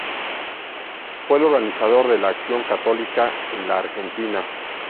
Fue el organizador de la Acción Católica en la Argentina.